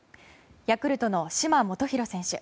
ヤクルトの嶋基宏選手